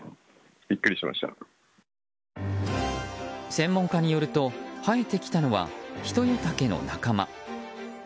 専門家によると生えてきたのはヒトヨタケの仲間。